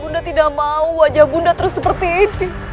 bunda tidak mau wajah bunda terus seperti ini